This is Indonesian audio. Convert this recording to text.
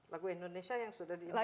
lagu indonesia yang sudah diimple